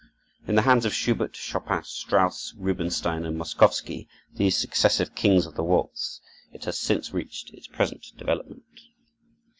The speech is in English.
In the hands of Schubert, Chopin, Strauss, Rubinstein, and Moszkowski, these successive kings of the waltz, it has since reached its present development.